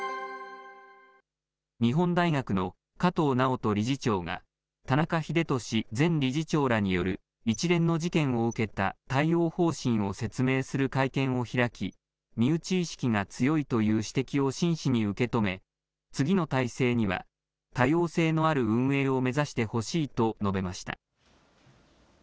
日本大学の加藤直人理事長が、田中英壽前理事長らによる、一連の事件を受けた対応方針を説明する会見を開き、身内意識が強いという指摘を真摯に受け止め、次の体制には多様性のある運営を目指してほしいと述べました。